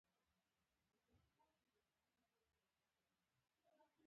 په سیریلیون او د افریقا جنوب صحرا کې خبیثه کړۍ موجوده ده.